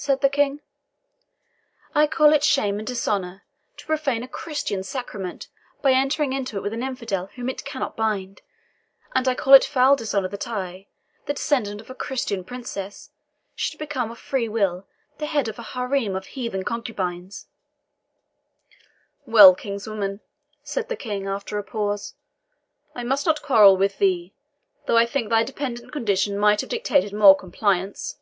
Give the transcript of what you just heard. said the King. "I call it shame and dishonour to profane a Christian sacrament by entering into it with an infidel whom it cannot bind; and I call it foul dishonour that I, the descendant of a Christian princess, should become of free will the head of a haram of heathen concubines." "Well, kinswoman," said the King, after a pause, "I must not quarrel with thee, though I think thy dependent condition might have dictated more compliance."